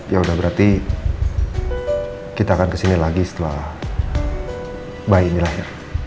ya udah berarti kita akan kesini lagi setelah bayi ini lahir